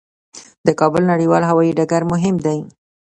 د کابل نړیوال هوايي ډګر مهم دی